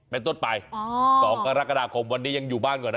เป็นต้นไป๒กรกฎาคมวันนี้ยังอยู่บ้านก่อนนะ